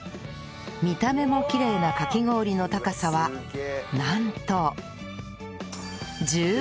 見た目もきれいなかき氷の高さはなんと